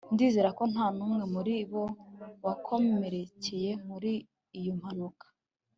ndizera ko nta n'umwe muri bo wakomerekeye muri iyo mpanuka